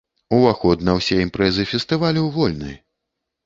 Уваход на ўсе імпрэзы фестывалю вольны.